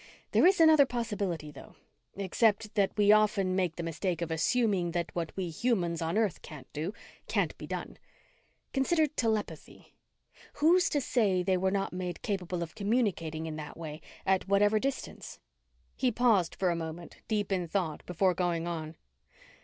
There is another possibility though, except that we often make the mistake of assuming that what we humans on earth can't do, can't be done. Consider telepathy. Who's to say they were not made capable of communicating in that way at whatever distance?" He paused for a moment, deep in thought, before going on.